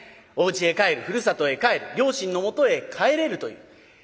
おうちへ帰るふるさとへ帰る両親のもとへ帰れるという。